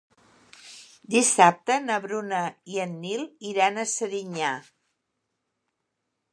Dissabte na Bruna i en Nil iran a Serinyà.